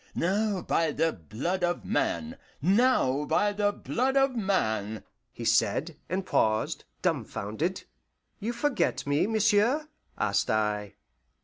"Now, by the blood of man! now, by the blood of man!" he said, and paused, dumfounded. "You forget me, monsieur?" asked I.